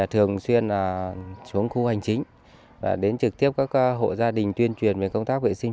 thường xuyên xuống khu hành chính đến trực tiếp các hộ gia đình tuyên truyền về công tác vệ sinh